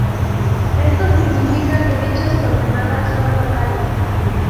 Esto significa que dichas coordenadas son locales.